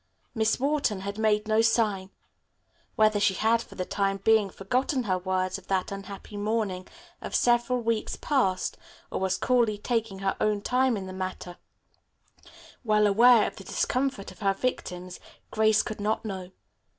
Miss Wharton had made no sign. Whether she had, for the time being, forgotten her words of that unhappy morning of several weeks past, or was coolly taking her own time in the matter, well aware of the discomfort of her victims, Grace could not know.